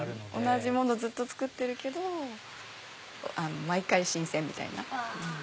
同じものずっと作ってるけど毎回新鮮みたいな。